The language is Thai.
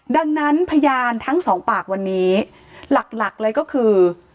ดังนั้นพยานทั้งสองปากวันนี้หลักหลักเลยก็คือ